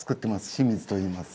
清水といいます。